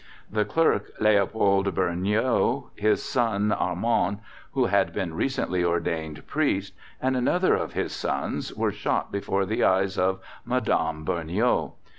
The clerk, Leopold Burniaux, his son Armand, who had been recently ordained priest, and another of his sons were shot before the eyes of Madame Burniaux.